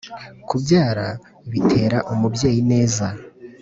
kubyara bitera umubyeyi ineza